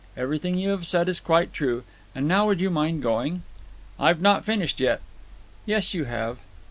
"Everything you have said is quite true. And now would you mind going?" "I've not finished yet." "Yes, you have."